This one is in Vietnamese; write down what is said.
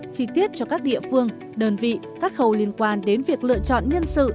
chi tiết cho các địa phương đơn vị các khâu liên quan đến việc lựa chọn nhân sự